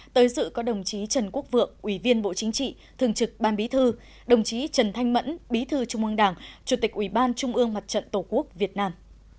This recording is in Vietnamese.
tới dự có đồng chí trần quốc vượng ủy viên bộ chính trị thường trực ban bí thư đồng chí trần thanh mẫn bí thư trung ương đảng chủ tịch ủy ban trung ương mặt trận tổ quốc việt nam